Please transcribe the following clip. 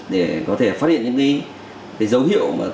để có thể phát hiện những dấu hiệu